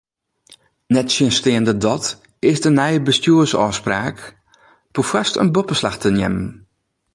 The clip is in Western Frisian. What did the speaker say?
Nettsjinsteande dat is de nije Bestjoersôfspraak perfoarst in boppeslach te neamen.